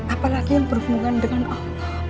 apalagi yang berhubungan dengan allah